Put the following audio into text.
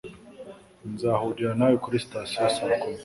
Nzahurira nawe kuri sitasiyo saa kumi